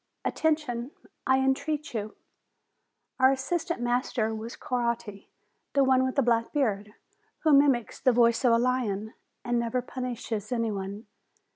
Attention! I entreat you." Our assistant master was Coatti, the one with the black beard, who mimics the voice of a lion, and never punishes any one.